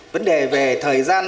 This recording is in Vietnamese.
vấn đề về thời gian